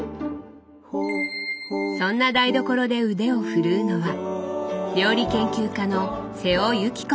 そんな台所で腕を振るうのは料理研究家の瀬尾幸子さん。